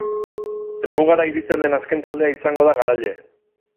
Helmugara iristen den azken taldea izango da garaile.